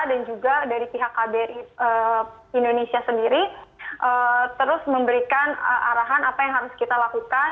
juga dari pihak kbri indonesia sendiri terus memberikan arahan apa yang harus kita lakukan